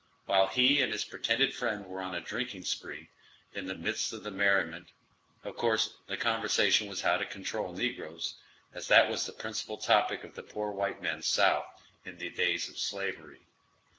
While he and his pretended friend were on a drinking spree, in the midst of the merriment, of course the conversation was how to control negroes, as that was the principal topic of the poor white men South, in the days of slavery.